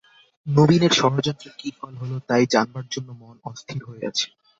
নবীনের ষড়যন্ত্রের কী ফল হল তাই জানবার জন্যে মন অস্থির হয়ে আছে।